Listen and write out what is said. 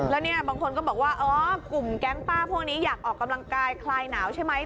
แล้วเนี่ยบางคนก็บอกว่าอ๋อกลุ่มแก๊งป้าพวกนี้อยากออกกำลังกายคลายหนาวใช่ไหม